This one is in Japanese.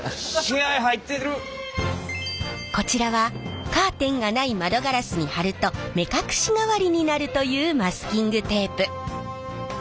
こちらはカーテンがない窓ガラスに貼ると目隠し代わりになるというマスキングテープ。